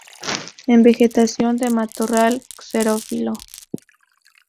En vegetación de matorral xerófilo.